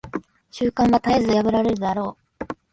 習慣は絶えず破られるであろう。